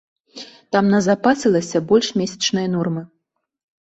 Там назапасілася больш месячнай нормы.